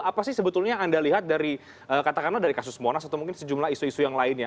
apa sih sebetulnya yang anda lihat dari katakanlah dari kasus monas atau mungkin sejumlah isu isu yang lainnya